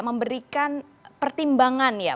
memberikan pertimbangan ya